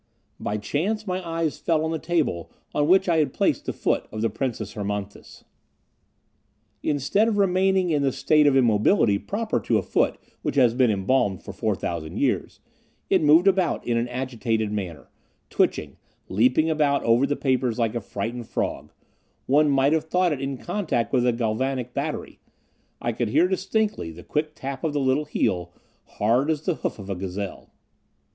By chance my eyes fell on the table on which I had placed the foot of the Princess Hermonthis. Instead of remaining in the state of immobility proper to a foot which has been embalmed for four thousand years, it moved about in an agitated manner, twitching, leaping about over the papers like a frightened frog; one might have thought it in contact with a galvanic battery; I could hear distinctly the quick tap of the little heel, hard as the hoof of a gazelle.